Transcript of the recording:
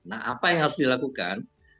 apa yang harus dilakukan